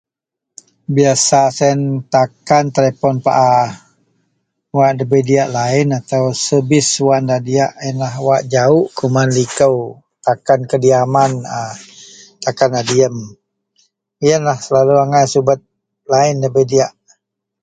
Biasa siyen takan telipon paa wak debei diyak laen servis wak nda diyak yenlah wak jawuk kuman likou takan kediaman a, takan a diyem, yenlah selalu angai subet laen debei diyak.